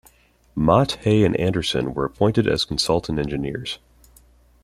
Mott, Hay and Anderson were appointed as consultant engineers.